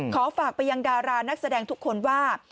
ขอฝากไปยังดารานักแสดงทุกคนว่า